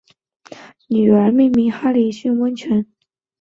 哈里逊温泉原称圣雅丽斯泉其中一个女儿命名。